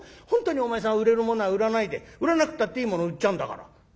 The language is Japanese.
本当にお前さんは売れるものは売らないで売らなくったっていいものを売っちゃうんだから」。